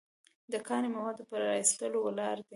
د کاني موادو په را ایستلو ولاړ دی.